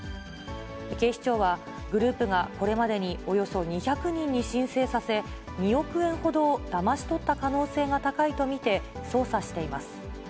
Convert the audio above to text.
警視庁は、グループがこれまでにおよそ２００人に申請させ、２億円ほどをだまし取った可能性が高いと見て捜査しています。